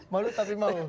malu tapi mau